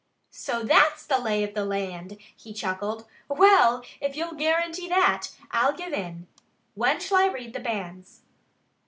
"So that's the lay of the land!" he chuckled. "Well, if you'll guarantee that, I'll give in. When shall I read the banns?"